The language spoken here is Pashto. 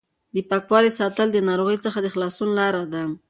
د پاکوالي ساتل د ناروغۍ څخه د خلاصون لار ده.